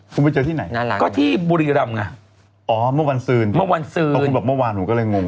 คุณไปเจอที่ไหนน่ารักอ๋อเมื่อวันซืนตอนคุณแบบเมื่อวานฉันก็เลยงง